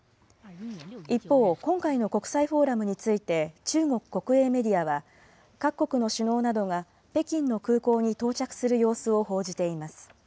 一方、今回の国際フォーラムについて、中国国営メディアは、各国の首脳などが北京の空港に到着する様子を報じています。